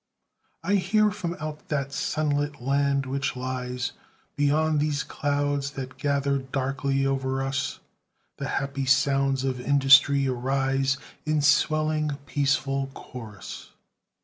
I hear from out that sunlit land which lies Beyond these clouds that gather darkly o'er us, The happy sounds of industry arise In swelling peaceful chorus.